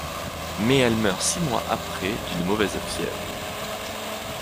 Mais elle meurt six mois après, d'une mauvaise fièvre.